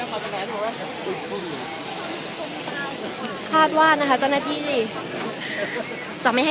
นะครับมันคือบรรดาของสื่อมวลชนแล้วก็เจ้าหน้าพี่นะคะ